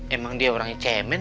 emang dia orangnya cemen